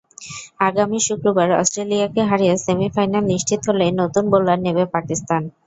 আগামী শুক্রবার অস্ট্রেলিয়াকে হারিয়ে সেমিফাইনাল নিশ্চিত হলেই নতুন বোলার নেবে পাকিস্তান।